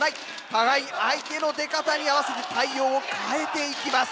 互いに相手の出方に合わせて対応を変えていきます。